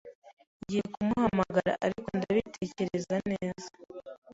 Ngiye kumuhamagara, ariko ndabitekereza neza.